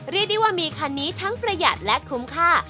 เรียกได้ว่ามีคันนี้ทั้งประหยัดและคุ้มค่า